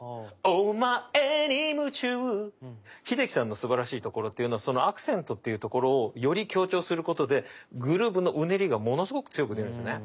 おまえにむちゅう秀樹さんのすばらしいところっていうのはそのアクセントっていうところをより強調することでグルーブのうねりがものすごく強く出るんですよね。